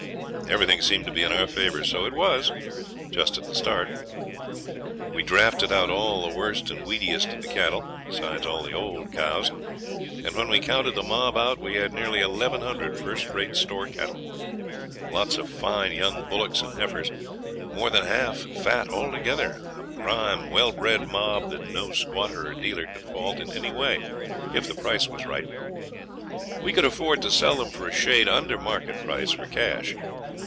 Everything seemed to be in our favour. So it was, just at the start. We drafted out all the worst and weediest of the cattle, besides all the old cows, and when we counted the mob out we had nearly eleven hundred first rate store cattle; lots of fine young bullocks and heifers, more than half fat altogether a prime well bred mob that no squatter or dealer could fault in any way if the price was right. We could afford to sell them for a shade under market price for cash.